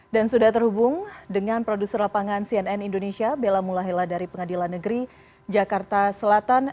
dan sudah terhubung dengan produser lapangan cnn indonesia bella mulahila dari pengadilan negeri jakarta selatan